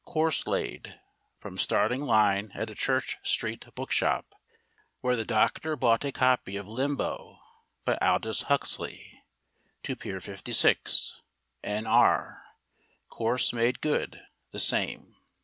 Course laid: From starting line at a Church Street bookshop, where the doctor bought a copy of "Limbo," by Aldous Huxley, to Pier 56, N.R. Course made good: the same.